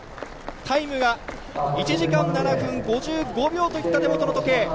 タイムが１時間７分５５秒といった手元の時計。